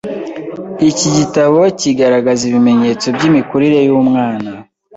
Iki gitabo kigaragaza ibimenyetso by’imikurire y’umwana,